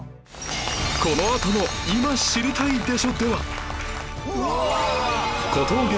このあとの『今知りたいでしょ！』では